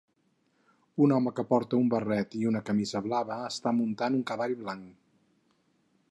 Un home que porta un barret i camisa blava està muntant un cavall blanc.